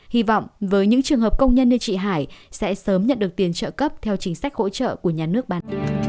hy vọng với những trường hợp công nhân như chị hải sẽ sớm nhận được tiền trợ cấp theo chính sách hỗ trợ của nhà nước bạn